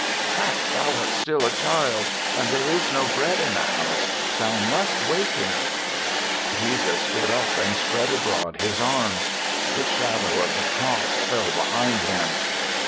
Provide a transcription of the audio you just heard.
"But thou art still a child, and there is no bread in the house. Thou must wake him." Jesus stood up and spread abroad his arms ; the shadow of the cross fell behind him.